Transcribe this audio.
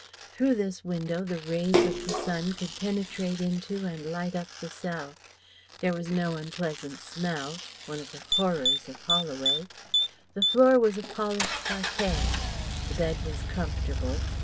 Through this window the rays of the sun could penetrate into and light up the cell. There was no unpleasant smell one of the horrors of Holloway. The floor was a polished parquet. The bed was comfortable.